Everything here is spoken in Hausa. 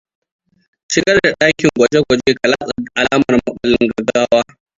Shigar da dakin gwaje-gwaje ka latsa alamar maɓallin gaggawa.